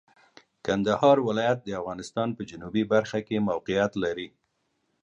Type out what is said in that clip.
کندهار ولایت د افغانستان په جنوبي برخه کې موقعیت لري.